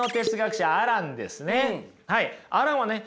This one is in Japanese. アランはね